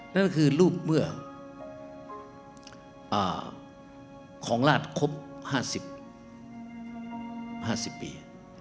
นั่นก็คือรูปเมื่อของราชครบ๕๐ปี